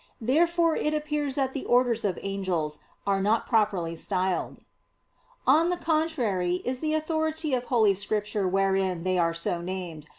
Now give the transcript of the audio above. Therefore it appears that the orders of angels are not properly styled. On the contrary is the authority of Holy Scripture wherein they are so named.